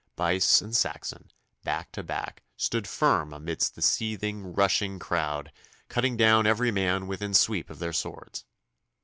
Buyse and Saxon, back to back, stood firm amidst the seething, rushing crowd, cutting down every man within sweep of their swords.